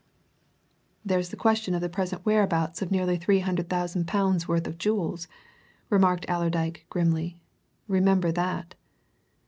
"There's the question of the present whereabouts of nearly three hundred thousand pounds' worth of jewels," remarked Allerdyke grimly. "Remember that!"